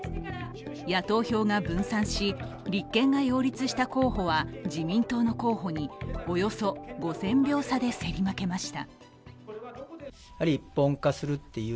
野党票が分散し、立憲が擁立した候補は自民党の候補におよそ５０００票差で競り負けました。